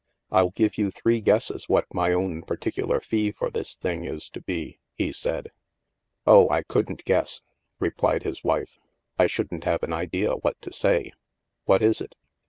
I'll give you three guesses what my own par ticular fee for this thing is to be," he said. " Oh, I couldn't guess," replied his wife. " I shouldn't have an idea what to say. What is it